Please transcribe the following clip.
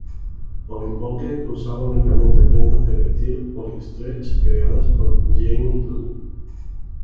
Polly Pocket usaban únicamente prendas de vestir "Polly Stretch", creadas por Genie girl.